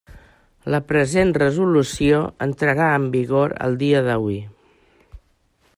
La present resolució entrarà en vigor el dia de hui.